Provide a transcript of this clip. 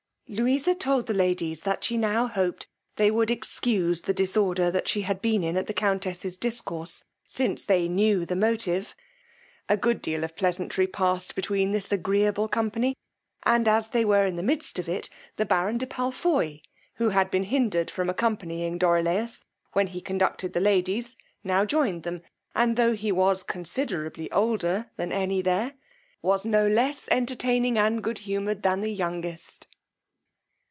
Louisa told the ladies that she now hoped they would excuse the disorder she had been in at the countess's discourse, since they knew the motive: a good deal of pleasantry passed between this agreeable company; and as they were in the midst of it, the baron de Palfoy, who had been hindered from accompanying Dorilaus, when he conducted the ladies, now joined them; and tho' he was considerably older than any there, was no less entertaining and good humoured than the youngest.